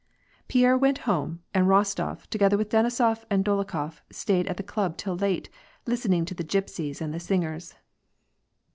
Pierre went home, and Bostof, together with Denisof and Dolokhof, stayed at the club till late, listening to the gypsies and the singers.